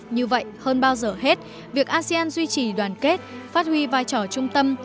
như vậy hơn bao giờ hết việc asean duy trì đoàn kết phát huy vai trò trung tâm